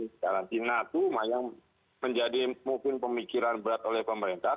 jadi karantina itu lumayan menjadi mungkin pemikiran berat oleh pemerintah